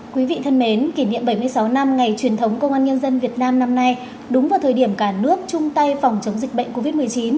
quý vị thân mến kỷ niệm bảy mươi sáu năm ngày truyền thống công an nhân dân việt nam năm nay đúng vào thời điểm cả nước chung tay phòng chống dịch bệnh covid một mươi chín